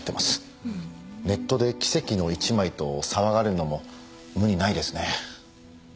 ネットで「奇跡の一枚」と騒がれるのも無理ないですね。